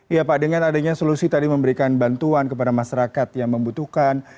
iya pak dengan adanya solusi tadi memberikan bantuan kepada masyarakat yang membutuhkan